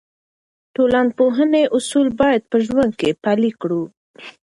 د ټولنپوهنې اصول باید په ژوند کې پلي کړو.